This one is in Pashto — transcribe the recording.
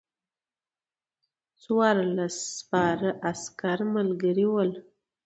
څوارلس سپاره عسکر ملګري ول.